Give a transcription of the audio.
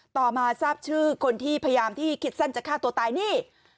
ต่อมาทราบชื่อคนที่พยายามที่คิดสั้นจะฆ่าตัวตายนี่